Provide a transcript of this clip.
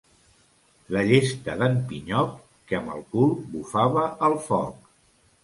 La llesta d'en Pinyoc, que amb el cul bufava el foc.